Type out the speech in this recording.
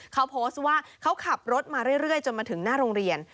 เขาโพสต์ว่าเขาขับรถมาเรื่อยจนมาถึงหน้าโรงเรียน